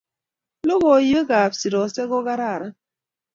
Logoiwek ab sirosek ko kararan